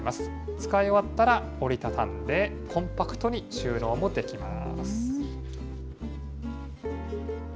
使い終わったら折り畳んで、コンパクトに収納もできます。